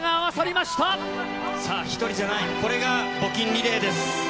さあ、一人じゃない、これが募金リレーです。